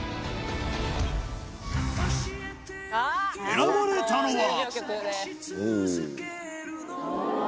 選ばれたのは。